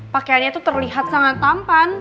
pakaiannya itu terlihat sangat tampan